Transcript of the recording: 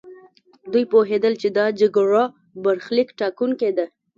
دوی پوهېدل چې دا جګړه برخليک ټاکونکې ده.